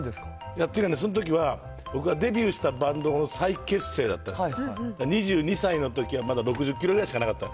やってるんです、そのときは、僕がデビューしたバンドの再結成だった、２２歳のときはまだ６０キロぐらいしかなかった。